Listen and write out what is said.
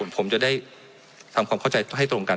ผมจะได้ทำความเข้าใจให้ตรงกัน